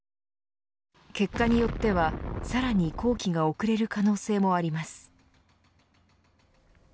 結果によっては、さらに工期が遅れる可能性もあります。